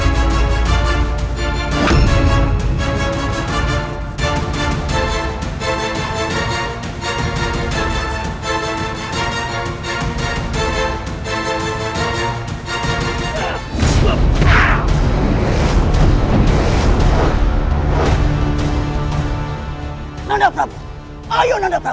nanda prabu ayo nanda prabu kami sudah berlangsung saja